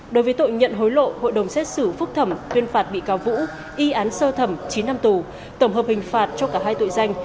đối với tội nhận hối lộ hội đồng xét xử phúc thẩm tuyên phạt bị cáo vũ y án sơ thẩm chín năm tù tổng hợp hình phạt cho cả hai tội danh